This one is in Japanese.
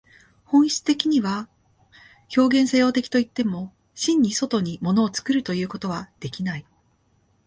本質的には表現作用的といっても、真に外に物を作るということはできない。